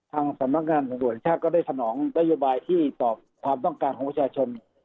ทางสำนักงานตำรวจแห่งชาติก็ได้สนองนโยบายที่ตอบความต้องการของประชาชน